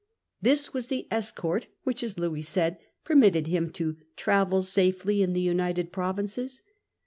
This was the * escort * which, as Louis said, permitted him 'to travel safely in the United Provinces.